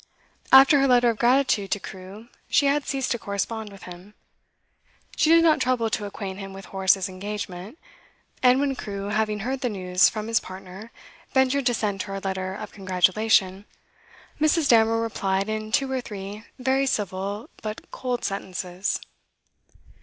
After her letter of gratitude to Crewe she had ceased to correspond with him; she did not trouble to acquaint him with Horace's engagement; and when Crewe, having heard the news from his partner, ventured to send her a letter of congratulation, Mrs. Damerel replied in two or three very civil but cold sentences.